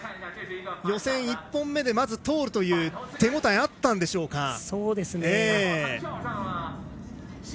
予選１本目で通るという手応えがあったんでしょうか。